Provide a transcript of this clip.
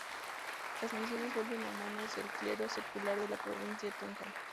Las misiones vuelven a manos del clero secular de la provincia de Tunja.